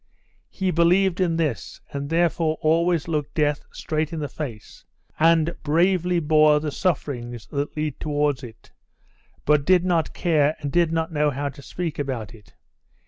He believed in this, and therefore always looked death straight in the face, and bravely bore the sufferings that lead towards it, but did not care and did not know how to speak about it.